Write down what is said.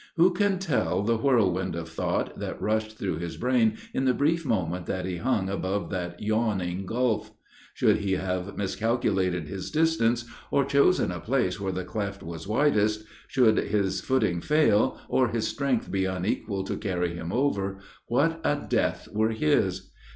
Who can tell the whirlwind of thought that rushed through his brain in the brief moment that he hung above that yawning gulf? Should he have miscalculated his distance, or chosen a place where the cleft was widest should his footing fail, or his strength be unequal to carry him over, what a death were his!